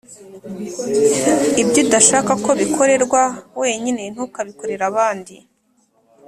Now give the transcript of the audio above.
ibyo udashaka ko bikorerwa wenyine, ntukabikorere abandi.”